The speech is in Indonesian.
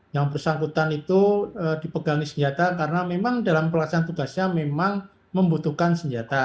yang bersangkutan itu dipegangi senjata karena memang dalam pelaksanaan tugasnya memang membutuhkan senjata